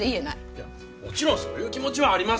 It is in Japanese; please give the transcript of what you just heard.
いやもちろんそういう気持ちはありますよ。